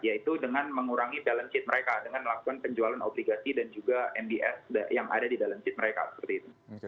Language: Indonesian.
yaitu dengan mengurangi balance sheet mereka dengan melakukan penjualan obligasi dan juga mbs yang ada di balance sheet mereka